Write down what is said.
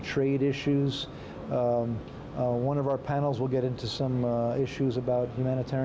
jadi kita akan memiliki sembilan sesi berbeda dalam dua hari